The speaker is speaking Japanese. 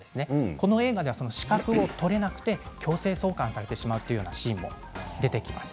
この映画では資格が取れなくて強制送還されてしまったようなシーンが出てきます。